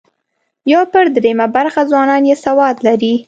یو پر درېیمه برخه ځوانان یې سواد لري.